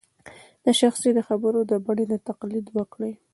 د شخص د خبرو د بڼې تقلید وکړي